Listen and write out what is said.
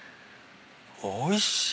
おいしい！